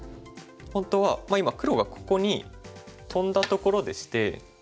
本当はまあ今黒がここにトンだところでして。